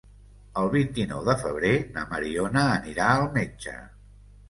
El vint-i-nou de febrer na Mariona anirà al metge.